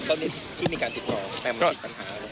เขาที่มีการติดต่อแปลงมันปิดปัญหาหรือเปล่า